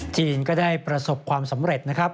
จีนก็ได้ประสบความสำเร็จนะครับ